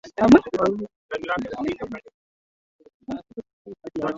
Waliwaahidi vikundi vyote vya Wakristo uhuru wa dini Ahadi hiyo ilitimizwa